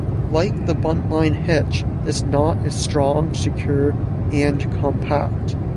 Like the buntline hitch, this knot is strong, secure and compact.